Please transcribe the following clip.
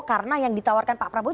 karena yang ditawarkan pak prabowo